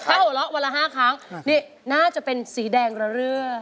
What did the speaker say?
ถ้าหัวเราะวันละ๕ครั้งนี่น่าจะเป็นสีแดงระเรื้อ